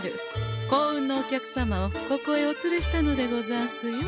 幸運のお客様をここへお連れしたのでござんすよ。